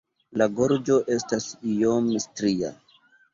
La gorĝo estas iom stria.